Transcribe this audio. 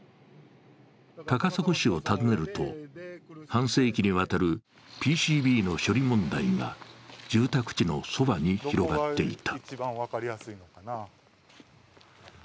高砂市を訪ねると、半世紀にわたるＰＣＢの処理問題が住宅地のそばに広がっていた。